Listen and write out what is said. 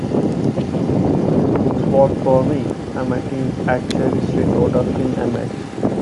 book spot for me and my teens at Cherry Street Hotel in MH